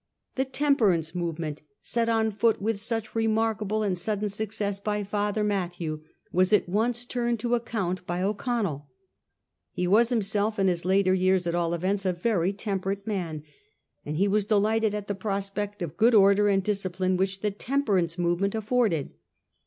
The Temperance movement set on foot with such remark able and sudden success by Father Mathew was at once turned to account by O'Connell. He was him self, in his later years at all events, a very temperate man, and he was delighted at the prospect of good order and discipline which the Temperance move ment afforded.